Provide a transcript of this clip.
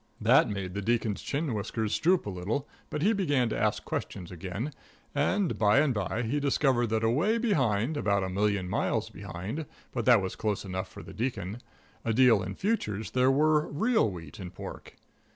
That made the Deacon's chin whiskers droop a little, but he began to ask questions again, and by and by he discovered that away behind about a hundred miles behind, but that was close enough for the Deacon a deal in futures there were real wheat and pork.